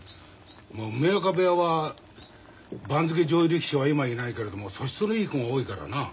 梅若部屋は番付上位力士は今はいないけれども素質のいい子が多いからな。